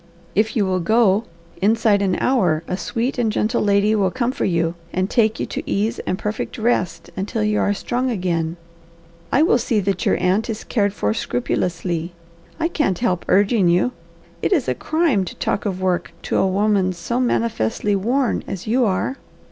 "If you will go, inside an hour a sweet and gentle lady will come for you and take you to ease and perfect rest until you are strong again. I will see that your aunt is cared for scrupulously. I can't help urging you. It is a crime to talk of work to a woman so manifestly worn as you are."